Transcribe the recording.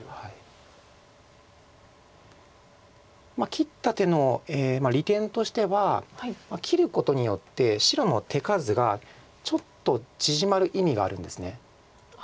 切った手の利点としては切ることによって白の手数がちょっと縮まる意味があるんです。